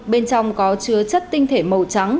bên trong có chứa chất tinh thể màu trắng